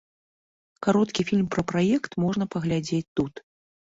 Кароткі фільм пра праект можна паглядзець тут.